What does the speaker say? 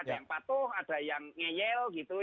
ada yang patuh ada yang ngeyel gitu